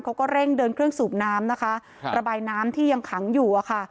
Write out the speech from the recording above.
เขาก็เร่งเดินเครื่องสูบน้ำนะคะระบายน้ำที่ยังขังอยู่อะค่ะ